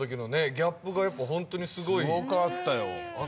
ギャップがやっぱホントにすごいすごかったよ